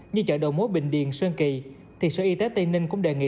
như chợ đầu mối bình điền sơn kỳ thì sở y tế tây ninh cũng đề nghị